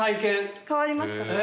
変わりましたか？